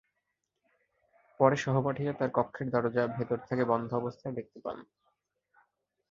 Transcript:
পরে সহপাঠীরা তাঁর কক্ষের দরজা ভেতর থেকে বন্ধ অবস্থায় দেখতে পান।